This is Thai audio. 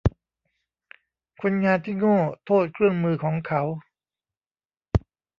คนงานที่โง่โทษเครื่องมือของเขา